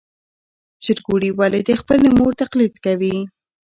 چرګوړي ولې د خپلې مور تقلید کوي؟